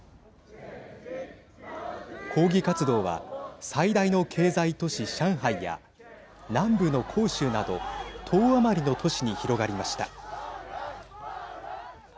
抗議活動は最大の経済都市上海や南部の広州など１０余りの都市に広がりました。